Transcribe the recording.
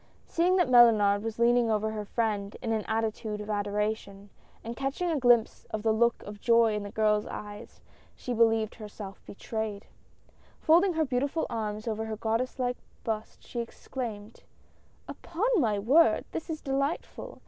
Seeing that Mellunard was leaning over her friend in an attitude of adoration, and catching a WARS AND RUMORS OF WARS. 157 glimpse of the look of joy in the girl's eyes, she believed herself betrayed. Folding her beautiful arms over her goddess like bust, she exclaimed :" Upon my word, this is delightful